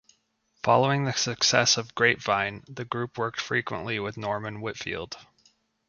Following the success of "Grapevine", the group worked frequently with Norman Whitfield.